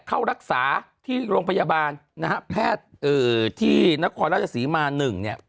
เข้ารักษาที่โรงพยาบาลนะฮะแพทย์ที่นครราชศรีมา๑เนี่ย